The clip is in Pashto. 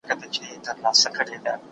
دا درسونه له هغه مهم دي!